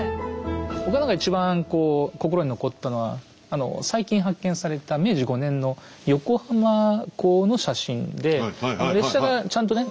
僕は何か一番こう心に残ったのは最近発見された明治５年の横浜港の写真で列車がちゃんとね